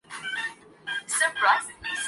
اپنے اعمال کی سزا ہے ظلم پہ خاموشی بھی ظلم ہے